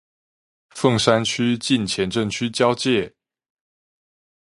鳳山區近前鎮區交界